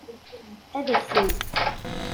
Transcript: Ad ak-t-tini.